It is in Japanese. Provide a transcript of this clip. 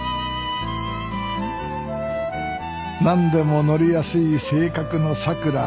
何でも乗りやすい性格のさくら。